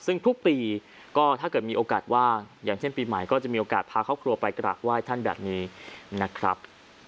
ซึ่งทุกปีก็ถ้าเกิดมีโอกาสว่างอย่างเช่นปีใหม่ก็จะมีโอกาสพาครอบครัวไปกราบไหว้ท่านแบบนี้นะครับ